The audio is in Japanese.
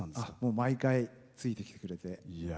毎回、付いてきてくれて。